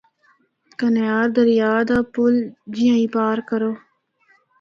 کنہار دریا دا پُل جِیّاں ہی پار کرو۔